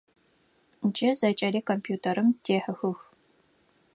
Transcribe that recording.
Джы зэкӏэри компьютерым дехьыхых.